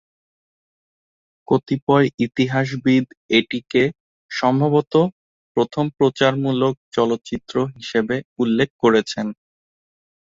কতিপয় ইতিহাসবিদ এটিকে "সম্ভবত প্রথম প্রচারমূলক চলচ্চিত্র" হিসেবে উল্লেখ করেছেন।